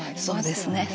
そうですね。